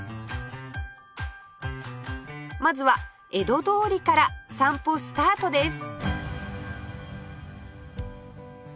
まずは江戸通りから散歩スタートです